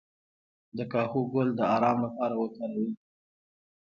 د کاهو ګل د ارام لپاره وکاروئ